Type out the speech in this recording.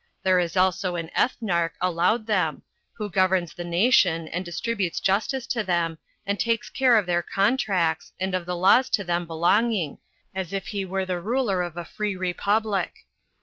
There is also an ethnarch allowed them, who governs the nation, and distributes justice to them, and takes care of their contracts, and of the laws to them belonging, as if he were the ruler of a free republic.